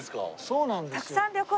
そうなんです。